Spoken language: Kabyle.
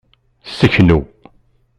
Seknu.